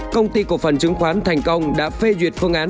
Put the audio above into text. công ty cổ phần chứng khoán thành công đã phê duyệt phương án